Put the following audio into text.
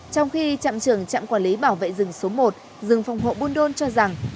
trong khi trạm trưởng trạm quản lý bảo vệ rừng số một rừng phòng hộ buôn đôn cho rằng